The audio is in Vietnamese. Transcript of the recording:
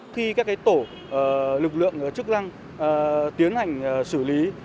khi các tổ lực lượng chức năng tiến hành xử lý